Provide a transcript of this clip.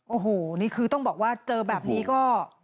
โอ้โหนี่คือต้องบอกว่าเจอแบบนี้ก็